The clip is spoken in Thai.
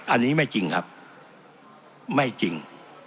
อันนี้ไม่จริงครับไม่จริง